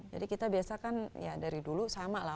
jadi kita biasa kan ya dari dulu sama lah